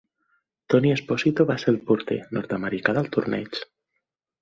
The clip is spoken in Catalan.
Tony Esposito va ser el porter nord-americà del torneig.